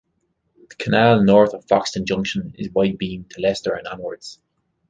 The canal north of Foxton Junction is wide-beam to Leicester and onwards.